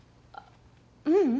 ううん。